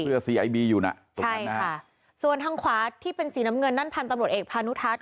เพื่อสีไอบีอยู่น่ะใช่ค่ะส่วนทางขวาที่เป็นสีน้ำเงินนั่นพันธ์ตำลวดเอกพาหนุทัศน์